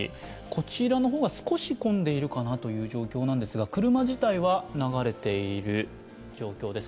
こちらは少し混んでいるかなという状況ですが、車自体は流れている状況です。